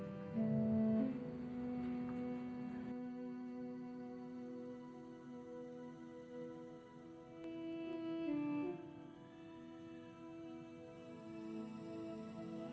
saya berjanji demi allah